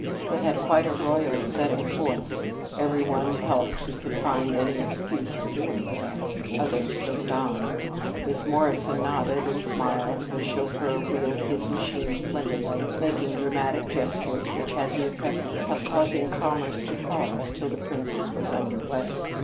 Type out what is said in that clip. They had quite a royal setting forth. Every one helped who could find any excuse for doing so; others looked on. Miss Morrison nodded and smiled; the chauffeur wheeled his machine splendidly, making dramatic gestures which had the effect of causing commerce to pause till the princess was under way.